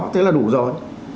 thế là đủ rồi